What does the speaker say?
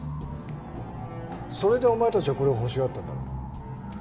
それでお前たちはこれを欲しがったんだろ？